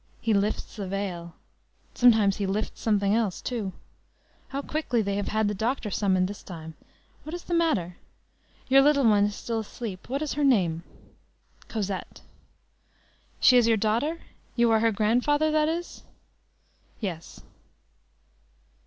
He lifts the veil. Sometimes he lifts something else too. How quickly they have had the doctor summoned this time! What is the matter? Your little one is still asleep. What is her name?" "Cosette." "She is your daughter? You are her grandfather, that is?" "Yes."